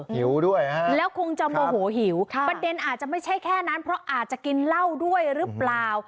หิวด้วยแล้วคงจะโมโหหิวประเด็นอาจจะไม่ใช่แค่นั้นเพราะอาจจะกินเหล้าด้วยหรือเปล่า